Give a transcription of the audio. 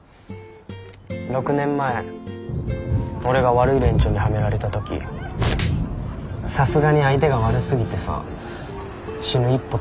６年前俺が悪い連中にはめられた時さすがに相手が悪すぎてさ死ぬ一歩